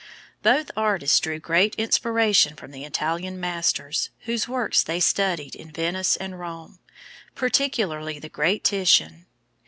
Both artists drew great inspiration from the Italian masters, whose works they studied in Venice and Rome, particularly the great Titian.